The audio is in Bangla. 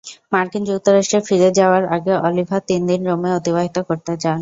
মার্কিন যুক্তরাষ্ট্রে ফিরে যাওয়ার আগে অলিভার তিন দিন রোমে অতিবাহিত করতে চান।